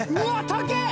高え！